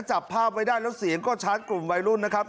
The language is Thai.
จับภาพไว้ได้แล้วเสียงก็ชาร์จกลุ่มวัยรุ่นนะครับ